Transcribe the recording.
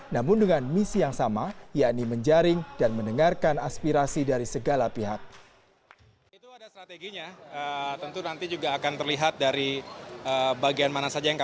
namun dengan misi yang sama yakni menjaring dan mendengarkan aspirasi dari segala pihak